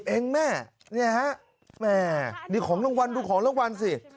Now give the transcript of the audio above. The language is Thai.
เองแม่เนี่ยฮะแม่นี่ของรางวัลดูของรางวัลสิ